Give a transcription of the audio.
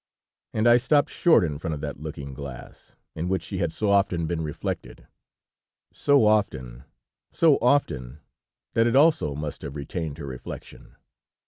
"And I stopped short in front of that looking glass in which she had so often been reflected. So often, so often, that it also must have retained her reflection.